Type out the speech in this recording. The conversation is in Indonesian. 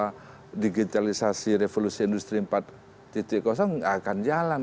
untuk membawa digitalisasi revolusi industri empat tidak akan jalan